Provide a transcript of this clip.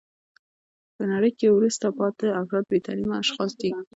په نړۍ کښي وروسته پاته افراد بې تعلیمه اشخاص دي.